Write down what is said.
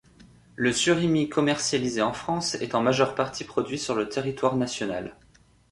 Le surimi commercialisé en France est en majeure partie produit sur le territoire national.